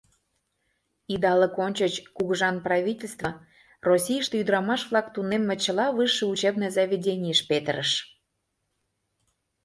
Идалык ончыч кугыжан правительство Российыште ӱдырамаш-влак тунемме чыла высший учебный заведенийыш петырыш.